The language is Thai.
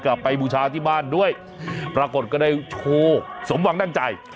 ไปบูชาที่บ้านด้วยปรากฏก็ได้โชว์สมหวังดั่งใจ